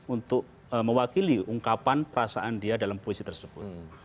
untuk mewakili ungkapan perasaan dia dalam puisi tersebut